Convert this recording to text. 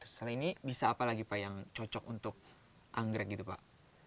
selain ini bisa apa lagi pak yang cocok untuk anggrek gitu pak